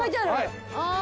はい。